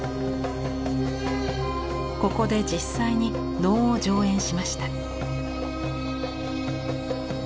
ここで実際に能を上演しました。